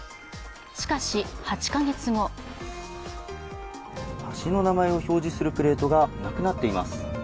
しかし、８か月後橋の名前を表示するプレートがなくなっています。